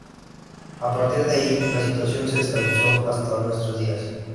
A partir de ahí, la situación se estabilizó hasta nuestros días.